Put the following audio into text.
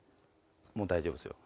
もう大丈夫ですよ。